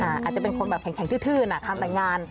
อาจจะเป็นคนแบบแข็งทื่นทำแต่งงาน